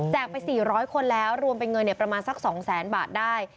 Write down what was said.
ไป๔๐๐คนแล้วรวมเป็นเงินประมาณสัก๒แสนบาทได้